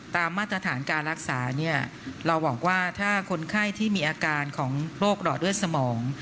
มาตรฐานการรักษาเนี่ยเราบอกว่าถ้าคนไข้ที่มีอาการของโรคหลอดเลือดสมอง